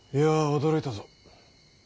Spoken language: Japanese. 驚いたぞ。